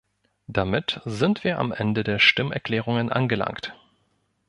Damit sind wir am Ende der Stimmerklärungen angelangt.